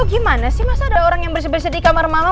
gimana sih mas ada orang yang bersih bersih di kamar mama